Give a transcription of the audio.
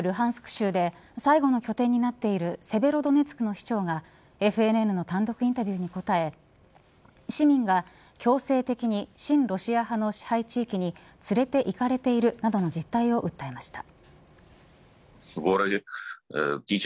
州で最後の拠点になっているセベロドネツクの市長がＦＮＮの単独インタビューに答え市民が強制的に親ロシア派の支配地域に連れていかれるなどの実態を訴えました。